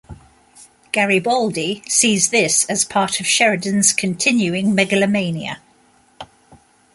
Garibaldi sees this as part of Sheridan's continuing megalomania.